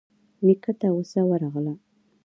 نيکه ته غوسه ورغله.